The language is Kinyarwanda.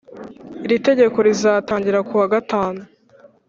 iri tegeko rizatangira kuwa gatanu.